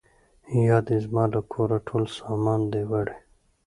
یا دي زما له کوره ټول سامان دی وړی